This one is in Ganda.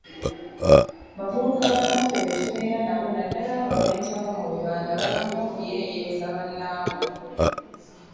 Bavubuka bannaffe be tubeera nabo naddala abo abeetaba mu bibanda bamanyi okuyeeyereza bannaabwe.